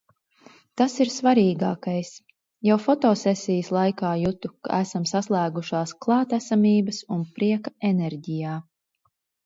Tas ir svarīgākais. Jau fotosesijas laikā jutu, ka esam saslēgušās klātesamības un prieka enerģijā.